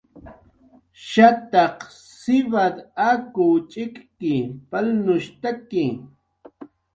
Shataq siwat akw ch'ikki palnushtaki